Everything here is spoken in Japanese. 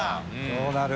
どうなる？